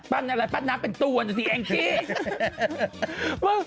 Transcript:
ปั้นอะไรปั้นนักเป็นตัวหนูสิแองกิ๊ก